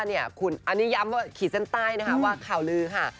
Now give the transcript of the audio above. อันนี้ย้ำขีดเส้นใต้ว่าข่าวลือค่ะ